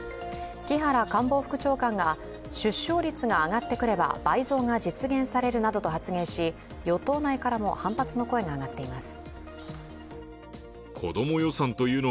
木原官房副長官が、出生率が上がってくれば倍増が実現されるなどと発言し与党内からも反発の声が上がっています。